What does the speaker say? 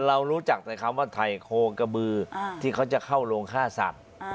เรารู้จักแต่คำว่าไทยโคกระบือที่เขาจะเข้าโรงฆ่าสัตว์